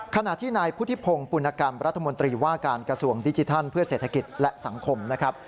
ขณะที่นายพุทธิพงศ์ปุณกรรมรัฐมนตรีว่าการกระทรวงดิจิทัลเพื่อเศรษฐกิจและสังคมนะครับ